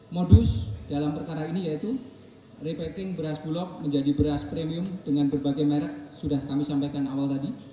modus dalam perkara ini yaitu repating beras bulog menjadi beras premium dengan berbagai merek sudah kami sampaikan awal tadi